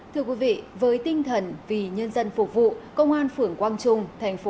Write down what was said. thưa quý vị với tinh thần vì nhân dân phục vụ công an phưởng quang trung